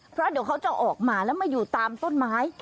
เพราะเดี๋ยวเขาจะออกมาแล้วมาอยู่ตามต้นไม้